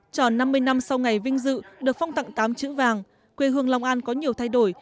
tròn năm mươi năm sau ngày vinh dự được phong tặng tám chữ vàng quê hương long an có nhiều thay đổi